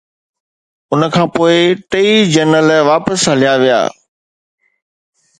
ان کان پوءِ ٽيئي جنرل واپس هليا ويا